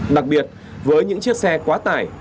đặc biệt với những chiếc xe quá tải